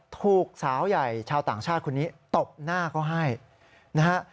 ถูกสาวใหญ่ชาวต่างชาติคนนี้ตบหน้าเขาให้นะฮะ